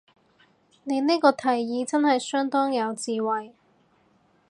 你呢個提議真係相當有智慧